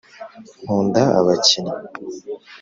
nkunda abakinnyi